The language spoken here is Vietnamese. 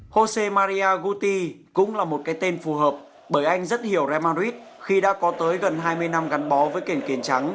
jose maria guti cũng là một cái tên phù hợp bởi anh rất hiểu raymond ruiz khi đã có tới gần hai mươi năm gắn bó với kênh kênh trắng